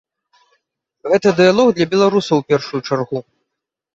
Гэта дыялог для беларусаў у першую чаргу.